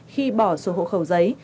khi bỏ số hộ khẩu giấy